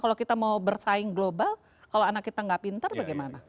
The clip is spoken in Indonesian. kalau kita mau bersaing global kalau anak kita nggak pinter bagaimana